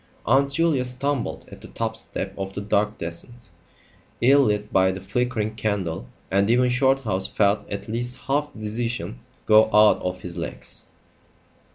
Aunt Julia stumbled at the top step of the dark descent, ill lit by the flickering candle, and even Shorthouse felt at least half the decision go out of his legs.